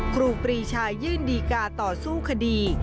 ครูปรีชายื่นดีกาต่อสู้คดี